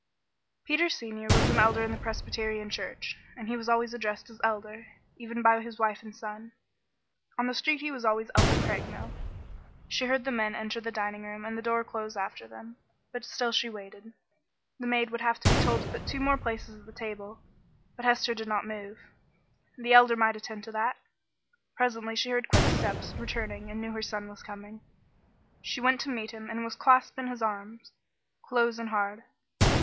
Peter Senior was an Elder in the Presbyterian Church, and he was always addressed as Elder, even by his wife and son. On the street he was always Elder Craigmile. She heard the men enter the dining room and the door close after them, but still she waited. The maid would have to be told to put two more places at the table, but Hester did not move. The Elder might attend to that. Presently she heard quick steps returning and knew her son was coming. She went to meet him and was clasped in his arms, close and hard.